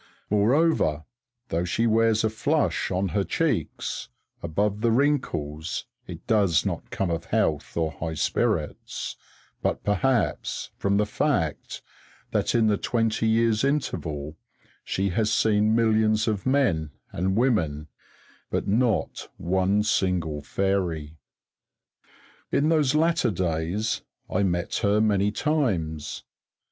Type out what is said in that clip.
Moreover, though she wears a flush on her cheeks, above the wrinkles it does not come of health or high spirits, but perhaps from the fact that in the twenty years' interval she has seen millions of men and women, but not one single fairy. In those latter days I met her many times.